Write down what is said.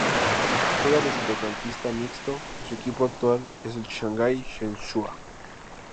Juega de centrocampista mixto y su equipo actual es el Shanghái Shenhua.